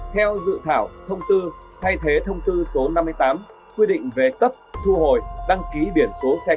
theo dự thảo thông tư thay thế thông tư số năm mươi tám quy định về cấp thu hồi đăng ký biển số xe